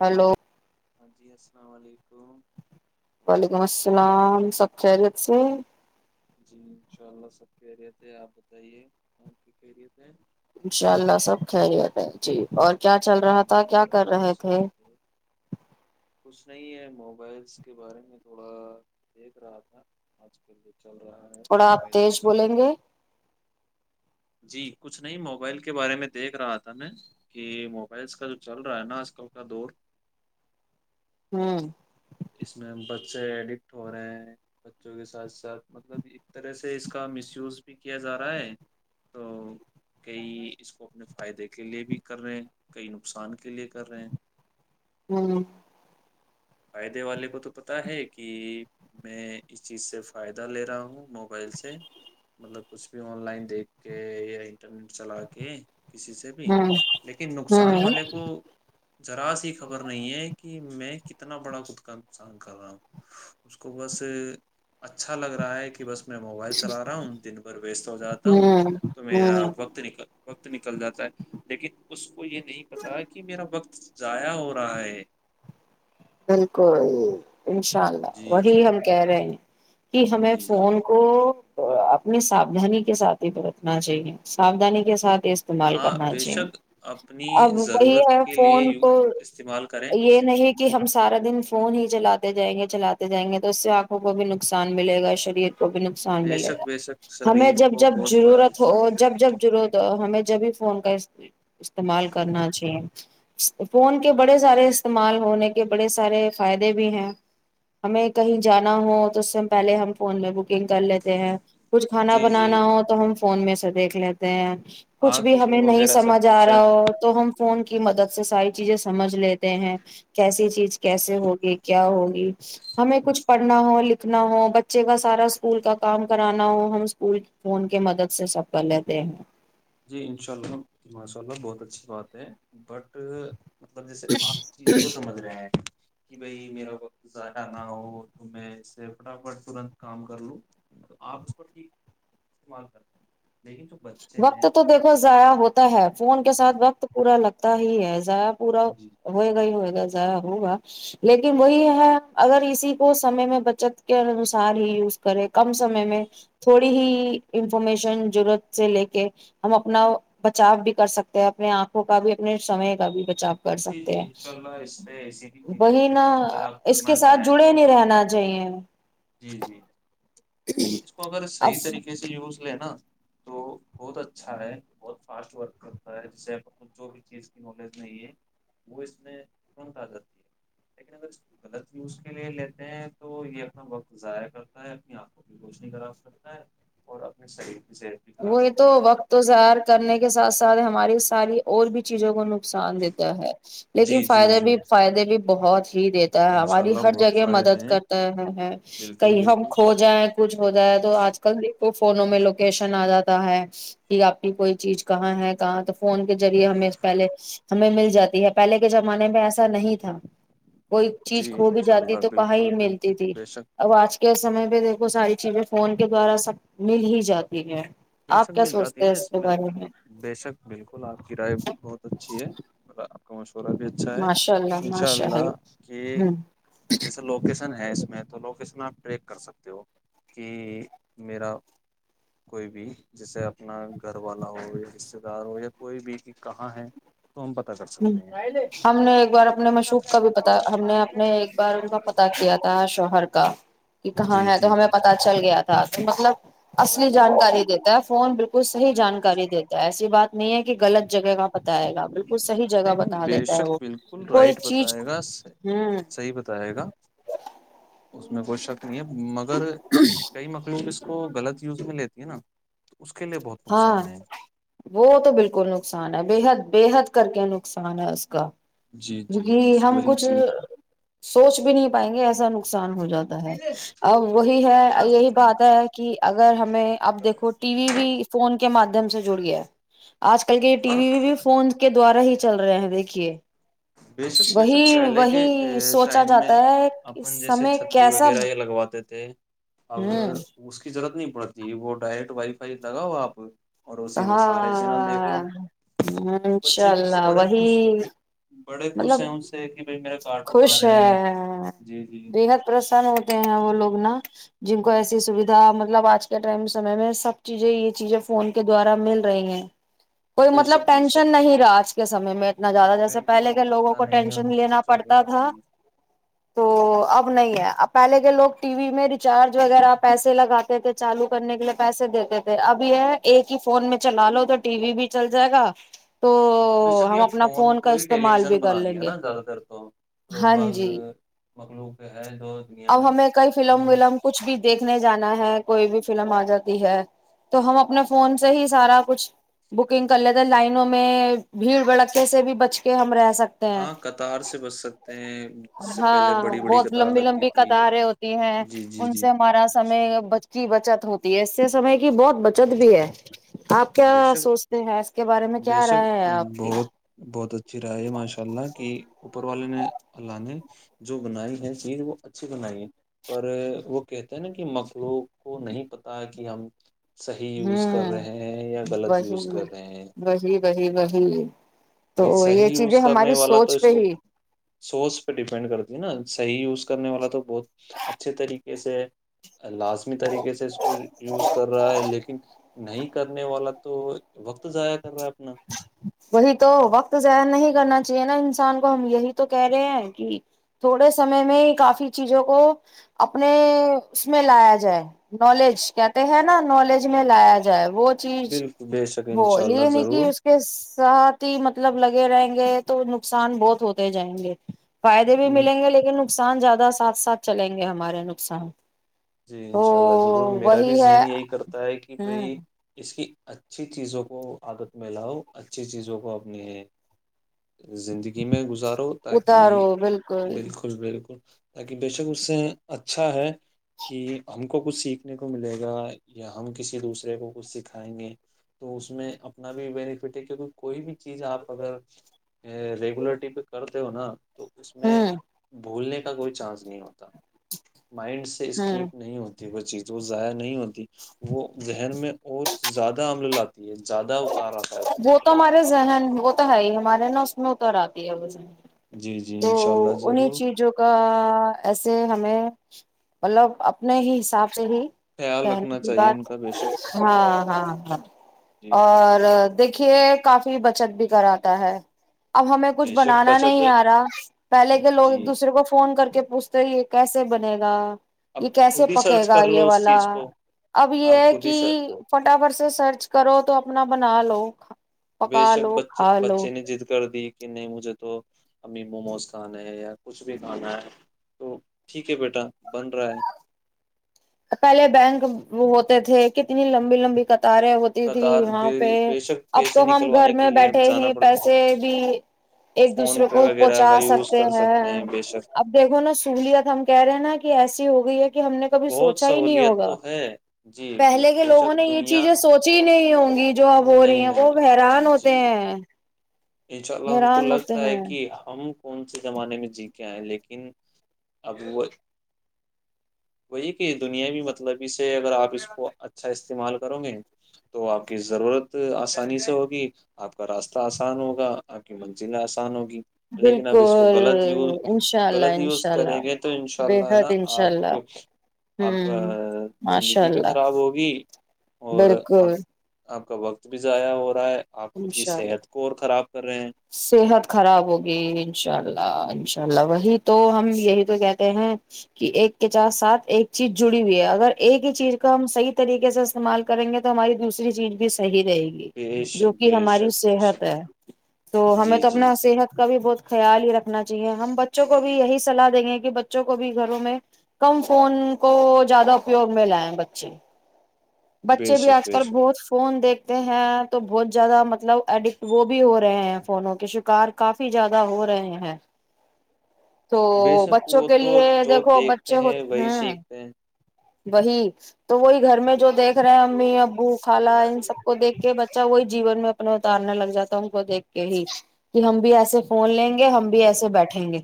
Hello ہاں جی السلام علیکم وعلیکم السلام سب خیریت سے ہیں؟ [unintelligible] انشاءاللہ سب خیریت ہے جی اور۔ کیا چل رہا الحمد تھا؟ کیا للہ کر بہت رہے اچھی تھے؟ بات ہے کچھ نہیں ہے موبائلز کے بارے میں تھوڑا دیکھ رہا تھا اس کے۔۔ تھوڑا تیز بولیں گے۔ جی کچھ نہیں موبائل کے بارے میں دیکھ رہا تھا میں کہ موبائلز کا جو چل رہا ہے نا اس کا دور۔ ہممم میں بچے ایڈٹ ہو رہے ہیں بچوں کے ساتھ بندہ بھی اس طرح سے اس کا مس یوز بھی کیا جا رہا ہے تو کہیں اس کو اپنے فائدے کے لیے بھی کر رہے ہیں کئی نقصان کے لیے کر رہے ہیں بچ گئی یا نہیں اس میں ۔۔ ہاں فائدے والے کو تو پتہ ہے کہ میں اس چیز سے فائدہ لے رہا ہوں موبائل سے مطلب کچھ بھی آن لائن دیکھ کے یا انٹرنیٹ چلا کے۔ کسی سے بھی ہوں لیکن نقصان ہوں والے کو۔ ذرا سی خبر نہیں ہے کہ میں۔۔ کتنا بڑا نقصان کر رہا ہوں۔ اس کو بس اچھا لگ رہا ہے کہ بس۔ میں موبائل چلا رہا ہوں جن بھر ویسٹ ہو جاتا ہوں تو میرا وقت نکل۔۔ وقت نکل جاتا ہے لیکن اس کو یہ نہیں پتہ کہ میرا وقت ضائع ہو رہا ہے۔۔ بلکل۔۔۔ انشاءاللہ جی وہی جی ہم کہہ رہے ہیں۔۔ جی ہمیں فون کو۔۔۔ تو اپنے ساودانی کے ساتھ ہی تو رکھنا چاہیے ساودانی کے ساتھ۔۔۔ استعمال ہاں کرنا بے چاہیے شک اپنی اب وہی ضرورت ہے کے لیے فون کو استعمال کریں۔۔ یہ نہیں کہ ہم سارا دن فون ہی چلاتے جائیں گے چلاتے جائیں گے تو اس سے انکھوں کو بھی نقصان ملے گا شریر۔۔ کو ابھی نقصان بے ملے شک گا بے شک ہمیں شریر جب کو جب بہت بڑا ضرورت ہو نقصان اور جب جب ضرورت ہو ہمیں۔۔ جب بھی فون کا استعمال کرنا چاہیے فون کے بڑے سارے استعمال ہونے۔۔ بڑے سارے فائدے بھی ہیں ہمیں کہیں جانا ہو تو اس سے پہلے ہم فون میں بکنگ کر لیتے ہیں۔۔ کچھ کھانا جی جی بنانا ہو تو ہم۔۔ فون میں سے دیکھ لیتے ہیں۔۔ کچھ آنکھ بھی ہمیں نہیں وغیرہ سب سمجھ ا کچھ ہے رہا ہو تو ہم فون کی مدد سے ساری چیزیں۔۔ سمجھ لیتے ہیں۔۔ کیسی چیز کیسے ہوگی کیا ہوگی ہمیں کچھ پڑھنا ہو لکھنا ہو بچے کا سارا اسکول کا کام کرانا ہو ہم اسکول فون کے مدد سے سب کر لیتے ہیں۔۔۔ جی انشاء اللہ ماشاء اللہ بہت اچھی بات ہے بٹ۔۔ مطلب جیسے آپ چیز کو سمجھ رہے ہیں۔ کہ بھائی میرا وقت زیادہ نہ ہو تو میں اس سے فٹافٹ ترنت کام کر لوں تو آپ اس کو ٹھیک استعمال کر رہ۔۔ لیکن جو بچے وقت ہیں۔۔ دیکھو ضائع ہوتا ہے فون کے جی ساتھ وقت پورا لگتا۔۔۔ تا ہی ہے۔۔ ضائع پورا جی ہوئے گا ہی ہوئے گا۔۔ ہوگا لیکن وہی ہے اگر اسی کو سمے میں بچت کے انوسار ہی یوز کرے کم سمے میں تھوڑی ہی انفارمیشن ضرورت سے لے کے ہم اپنا بچاؤ بھی کر سکتے ہیں اپنے آنکھوں کا بھی اپنے سمئے کا بھی بچاؤ کر جی جی سکتے ہیں انشاء اللہ اس پہ ایسی بھی چیزیں وہی ہیں نا اگر آپ اس کے کرنا ساتھ چاہیں تو جڑے نہیں رہنا چاہیے جی جی اس کو اگر صحیح اب طریقے سے یوز ل نا تو بہت اچھا ہے بہت فاسٹ ورک کرتا ہے جسے جو بھی چیز کی نالج نہیں ہے وہ اس میں ترنت آ جاتی ہے لیکن اگر غلط نیوز کے لیے لیتے ہیں تو یہ اپنا وقت ضائع کرتا ہے اپنی آکھ روشنی کا ر رتا ہے اور اپنے سری وہی تو وقت و ائر کرنے کے ساتھ ساتھ ہماری ساری اور بھی چیزوں کو نقصان دیتا ہے لیکن جی جی فائدے جی بھی فائدے بھی بہت ہی دیتا ہے انشاء ہماری اللہ ہر بہت جگہ فائدے مدد ہیں کرتا بالکل کہیں ہم بالکل کھو جائیں کچھ ہو جائے تو آج کل دیکھو فونوں میں لوکیشن آ جاتا ہے کہ آپ کی کوئی چیز کہاں ہے کہاں تو فون کے ذریعے ہم پہلے ہمیں مل جاتی ہے پہلے کے زمانے میں ایسا نہیں تھا کوئی چیز جی کھو بھی انشاء جاتی اللہ تو کہاں بالکل ہی ملتی بالکل تھی بے شک اب آج کے سمے میں دیکھو ساری چیزیں فون کے دوارا سب مل ہی جاتی ٹھیک ہے بے آپ شک کیا مل جاتی سوچتے ہے ہیں نا اس کے میں بارے بے شک بالکل آپ کی رائے بہت اچھی ہے ا بھی اچھا ہے ماشاء اللہ ان شاء ماشاء اللہ کہ ہ جیسے لوگ کے ن ہے اس میں تو لوکیشن آپ ٹریک کر سکتے ہو کہ میرا کوئی بھی جیسے اپنا گھر والا ہو یا رشتے دار ہو یا کوئی بھی کہ کہاں ہے تو ہم پتہ کر ہ سکتے ہیں ہم نے ایک بار اپنے مشوب کا بھی پتا ہم نے اپنے ایک بار ان کا پتہ کیا تھا شوہر کا کہ کہاں جی ہے تو جی ہمیں پتاہ چل گیا تھا مطلب اصلی جانکاری دیتا ہے فون بالکل صحیح جانکاری دیتا ہے ایسی بات نہیں ہے کہ غلط جگہ کا پتئے گا بالکل صحیح نہیں جگہ نہیں بتا بے دیتا ہے شک وہ بالکل کوئی رائٹ چیز بتائے گا ہوں صحیح بتائے گا اس میں کوئی شک یہ مگر کئی مکروں اس کو غلط یوز میں لیتی ہے نا اس کے لیے بہت ہاں نقصان ہے وہ تو بالکل کو نقصان ہے بےحد بےحد کر کے نقصان ہے اس کا جی جی کیونکہ بس ہم وہی کچھ چیز سوچ بھی نہیں پائیں گے ایسا نقصان ہو جاتا ہے اب وہی ہے یہی بات ہے کہ اگر ہمیں اب دیکھو ٹی وی بھی فون کے مادھیم سے جڑ گیا آج کل کے یہ ٹی ہاں وی بھی فون کے دوارا ہی چل رہے ہیں دیکھیے بے شک بے شک وہی پہلے کے وہی سوچا ٹائم میں جاتا ہے کہ اپن جیسے سمے چھتری کیسا وغیرہ یہ لگواتے تھے اب ہوں اس کی ضرورت نہیں جی وہ ڈائرٹ وائی فائی لگاؤ آپ [unintelligible] میں سارے چینل دیکھ ہاں لو ہ بچے انشاء بھی اس سے اللہ بڑے وہی خوش بڑے مطلب خوش ہیں ان سے کہ بھائی میرا کارٹون آ خوش رہے ہیں ہے جی جی بےحد پرسن ہوتے ہیں وہ لوگ نا جن کو ایسی سویدھا مطلب آج کے ٹائم سمے میں سب چیزیں یہ چیزیں فون کے دوارا مل رہی ہیں کوئی بے مطلب شک بے شک ٹینشن نہیں رہا آج کے سمے میں نہ زیادہ جیسے پھر پہلے کوئی کے لوگوں چنتا کو نہیں ہے ان ٹینشن کو لینا بچوں کی پڑتا تھا جی تو اب نہیں ہے اب پہلے کے لوگ ٹی وی میں ریچارج وغیرہ پیسے لگاتے تھے چالو کرنے کے لیے پیسے دیتے تھے اب یہ ہے ایک ہی فون میں چلا لو تو ٹی وی بھی چل جائے گا تو بے شک ہم یہ اپنا فون کا کوئی ٹیلی استعمال ویژن بھی کر بنا دیا لیں گے نا زیادہ تر تو لوگ ہاں باگ جی مخلوق ہے جو دنیا اب میں ہمیں کئی تو فلم وہ ولم کچھ بھی دیکھنے جانا ہے کوئی بھی فلم آ جاتی ہے تو ہم اپنے فون سے ہی سارا کچھ بکنگ کر لیتے لائنوں میں بھیڑ بھڑکتے سے بھی بچ کہ ہمر سکتے ہیں ہاں قطار سے بچ سکتے ہیں اس سے پہلے ہاں بڑی بڑی بہت قطار لمبی لگتی لمبی تھی قطاریں ہوتی ہیں جی جی ان جی سے ہمارا سمے بچ کی بچت ہوتی ہے اس سے سمے کی بہت بچت بھی ہے آپ کیا سوچتے ہیں کے بارے میں کیا بےشک رائے ہے آپ کی بہت بہت اچھا چر ہے ماشاء اللہ کی اوپر والے نے اللہ نے جو بنائی ہے چیز وہ اچھی بنائی ہے پر وہ کہتے ہیں نا کہ مکلوں کو نہیں پتا کہ ہم صحیح یوز کر ہوں رہے ہیں یا غلط یوز وہی کر رہے ہیں وہی وہی وہی تو بھائی صحیح یہ چیزیں یوز کرنے ہماری والا تو سوچ اس پہ کو ہی سورس پہ ڈیپینڈ کرتی ہے نا صحیح یوز کرنے والا تو بہت اچھے طریقے سے لازمی طریقے سے اس کو یوز کر رہا ہے لیکن نہیں کرنے والا تو وقت ضائع کر رہا ہے اپنا وہی تو وقت ظاہر نہیں کرنا چاہیے نا انسان کو ہم یہی تو کہہ رہے ہیں کہ تھوڑے سمے میں ہی کافی چیزوں کو اپنے اس میں لایا جائے نالج کہتے ہیں نا نالج میں لایا جائے جائے وہ چیز بالکل بے شک ان شاء اللہ وہلی نہیں ضرور اس کے ساتھ ہی مطلب لگ رہیں گے تو نقصان بہت ہوتے جائیں گے فائدے بھی م، ملیں گے لیکن نقصان زیادہ سے ساتھ ساتھ چلیں گے ہمارے نقصان جی تو انشاء اللہ ضرور میرا وہی بھی ہے ذہن یہی کرتا ہے کہ ہ بھائی اس کی اچھی چیزوں کو عادت میں لاؤ اچھی چیزوں کو اپنی ہے زندگی میں گزارو تاکہ بالکل بالکل تاکہ بے شک اس سے اچھا ہے کہ ہم کو کچھ سیکھنے کو ملے گا یا ہم کسی دوسرے کو کچھ سکھائیں گے تو اس میں اپنا بھی بینیفٹ ہے کیونکہ کوئی بھی چیز آپ اگر ریگولرٹی پہ کرتے ہو نا تو اس میں ہوں بھولنے کوئی چانس نہیں ہوتا مائنڈ سے اس ہوں اسکیپ نہیں ہوتی کو چیز تو وہ یاع نہیں ہو ت وہ ذہن میں اور زیادہ عمل لاتے وہ تو ہمارے ذہن وہ تو ہے ہی ہمارے ن اسنو تو ر آتی ا س جی جی تو انشاء اللہ انہیں ضرور چیزوں کا ایسے ہم مطلب اپنے ہی حساب ص ہی خیال کہنے رکھنا کی چاہیے ان بات کا بے شک ہاں ہاں ہاں جی جی اور دیکھیے سے کافی بچت بھی کراتا ہے اب ہمیں کچھ بے شک بنانا بچت نہیں آ رہا پہلے کے لوگ ایک جی دوسرے کو فون کر کے پوچھتے ہی کیسے بنے گا یہ اب کیسے خود ہی پکے سرچ گا کر یہ لو اس والا چیز کو اب یہ آپ ہے خود ہی کہ سر... فٹافٹ سے سرچ کرو تو اپ اپنا بنا لو بے پکا شک لو بچے کھا لو بچے نے ضد کر دی کہ نہیں مجھے تو امیموس خان ہے یا کچھ بھی کھانا ہے تو ٹھیک ہے بیٹا بن رہا ہے پہلے بین منہ ہوتے تھے کتنی لمبی لمبی تارے ہوتی تھی قطار وہاں بے پہ بے شک اب تو پیسے ہم گھر نکلوانے کے میں لیے اب بیٹھے جانا ہی پڑ پیسے بھی ایک فون دوسرے پے کو وغیرہ کا پہنچا یوز سکتے کر ہیں بے شک اب دیکھو نا سہولیات ہم کہہ رہے ہیں نا کہ ہو گئی ہے یہ ہم نے کبھی سوچ بہت صحیح نہیں سہولیت ہوگا تو ہے جی پہلے کے بے لوگوں شک نے یہ دنیا چیزیں سوچی ہی نہیں ہوں گی جو اب ہو رہی نہیں ہیں وہ حیران ہوتے ہیں انشاءاللہ ان کو حیران ہوتے لگتا ہے ہیں کہ ہم کون سے زمانے میں جی کے ائے ہیں لیکن اب وہ وہی کہ دنیاوی مطلبی سے اگر آپ اس کو اچھا استعمال کرو گے تو آپ کی ضرورت آسانی سے ہوگی آپ کا راستہ آسان ہوگا آپ کی منزلیں آسان ہوگی لیکن اب اس کو بالکل غلط یوز انشاء اللہ غلط یوز انشاء اللہ بےحد انشاء اللہ کچھ اب ہوں ماشاء زندگی بھی اللہ خراب ہوگی اور اب بالکل اپ کا وقت بھی ضائع ہو رہا ہے اپ خود کی انشاء اللہ صحت کو اور خراب کر رہے ہیں صحت خراب ہو گئی انشاءاللہ انشاءاللہ وہی تو ہم یہی تو کہتے ہیں کہ ایک کے چا سات ایک چیز جڑی ہوئی ہے اگر ایک ہی چیز کو ہم صحیح طریقے سے استعمال کریں گے تو ہماری دوسری چیز بھی صحیح جائے گی بے جو شک کہ بے ہماری شک بے صحت شک ہے تو ہمیں جی تو جی اپنا صحت کا ابھی بہت خیال ہی رکھنا چاہیے ہم بچوں کو بھی یہی صلا دیں گے کہ بچوں کو بھی گھروں میں کم فون کو زیادہ پیور میں لائیں بچے بے بچے بھی شک اج بے کل شک بہت فون دیکھ دیکھتے ہیں تو بہت زیادہ مطلب ایڈکٹ وہ بھی ہو رہے ہیں فون ہو کے شکار کافی زیادہ ہو رہے ہیں تو بے شک بچوں وہ کے تو لیے جو دیکھو بچے دیکھتے وہی ہیں سیکھتے وہیں تو وہی گھر میں جو دیکھ امی ابو کالا ان سب کو دیکھ کے بچہ وہی جیون میں اپنا اتارنے لگ جاتا ہوں کو دیکھ کے ہی ہم بھی ایسے فون لیں گے ہم بھی ایسے بیٹھیں گے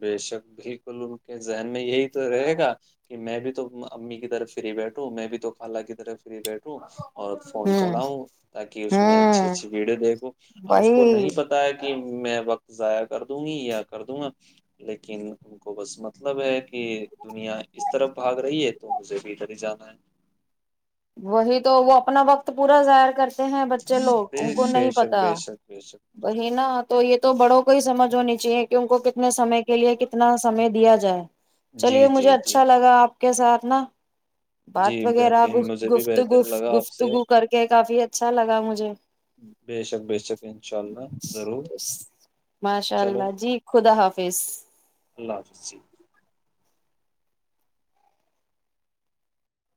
بے شکلوں کے ذہن میں یہی تو رہے گا کہ میں بھی تو امی کی طرف فری بیٹھو میں بھی تو خالہ کی طرف پھر یہ بیٹھوں اور فون ہوں چلاؤ تاکہ اس میں اچھی ہوں اچھی ویڈیو دیکھو اب اس کو وہی نہیں پتہ ہے میں [unintelligible] ضائع کر دوں گی یا کر دوں گا لیکن ان کو بس مطلب ہے کہ دنیا اس طرف بھاگ رہی ہے تو مجھے بھی ادھر ہی جانا ہے وہی تو وہ اپنا وقت پورا ظاہر کر ہیں بچے لوگ ان بے کو بے نہیں شک پتہ بے شک بے شک بے شک بہینا تو یہ تو بڑوں کو ہی سمجھ تو نیچے ہے ٹیم کو [unintelligible] سمے کے لیے کتنا سمے دیا جائے جی چلیے مجھے جی جی اچھا لگا کے ساتھ نا بات جی وغیرہ بہترین مجھے بھی گفتگو بہتر لگا آپ سے گفتگو کر کے کافی اچھا لگا مجھے بے شک بے شک انشاء اللہ ضرور چلو اللہ حافظ جی